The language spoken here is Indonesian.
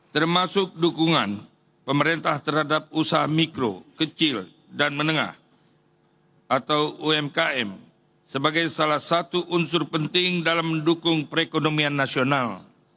termasuk dukungan pemerintah terhadap usaha mikro kecil dan menengah atau umkm sebagai salah satu unsur penting dalam mendukung perekonomian nasional